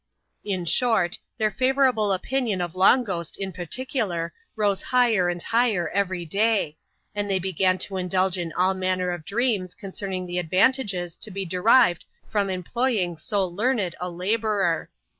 In short, their favourable opinion of Long Ghost in particular, rose higher and higher every day ; and they began to indulge in all manner of dreams concerning the advantages to be derived from employing so learned a labourer.